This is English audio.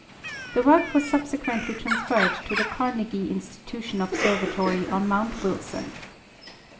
The work was subsequently transferred to the Carnegie Institution Observatory on Mount Wilson.